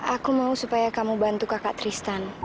aku mau supaya kamu bantu kakak tristan